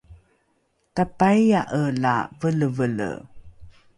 tapaia’e la velevele